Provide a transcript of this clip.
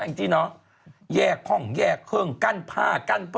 งจี้เนอะแยกห้องแยกเครื่องกั้นผ้ากั้น